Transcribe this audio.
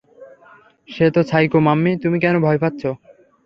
সে তো psycho mummy, তুমি কেন ভয় পাচ্ছ?